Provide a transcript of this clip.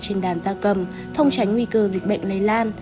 trên đàn da cầm phòng tránh nguy cơ dịch bệnh lây lan